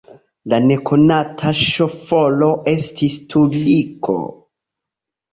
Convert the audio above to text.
La nekonata ŝoforo estis turko.